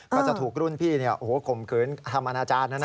ก็จะถูกรุ่นพี่โอ้โฮกลมขืนทำอาจารย์นะนะ